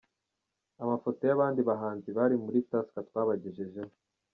Amafoto y’abandi bahanzi bari muri Tusker twabagejejeho:.